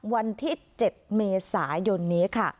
วันที่๗เมษายน